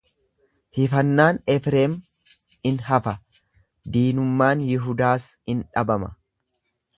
Hifannaan Efreem in hafa, diinummaan Yihudaas in dhabama.